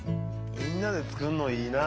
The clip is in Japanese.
みんなで作るのいいなあ。